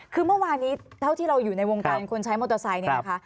คือเมื่อวานี้เท่าที่เราอยู่ในวงการคนใช้มอเตอร์ไซค์เนี่ยนะคะ